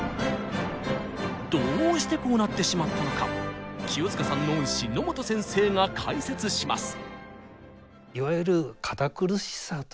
どうしてこうなってしまったのか清塚さんの恩師野本先生が解説します！